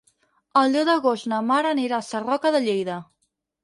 El deu d'agost na Mar anirà a Sarroca de Lleida.